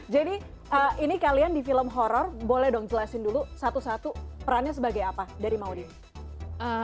jadi ini kalian di film horror boleh dong jelasin dulu satu satu perannya sebagai apa dari maudie